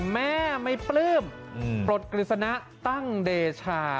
แม่ไม่ปลื้มปลดกฤษณะตั้งเดชา